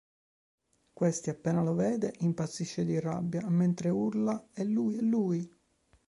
Questi, appena lo vede, impazzisce di rabbia e mentre urla "è lui, è lui!!!